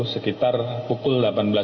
sekitar pukul delapan belas lima belas